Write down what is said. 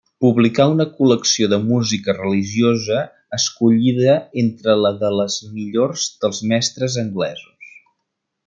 Publicà una col·lecció de música religiosa escollida entre la de les millors dels mestres anglesos.